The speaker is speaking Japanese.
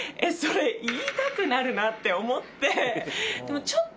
それ言いたくなるなって思って。